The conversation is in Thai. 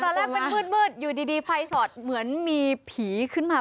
ตอนแรกเป็นมืดอยู่ดีภัยสอดเหมือนมีผีขึ้นมา